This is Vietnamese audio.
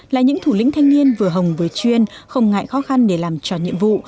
là những thủ lĩnh thanh niên vừa hồng vừa chuyên không ngại khó khăn để làm tròn nhiệm vụ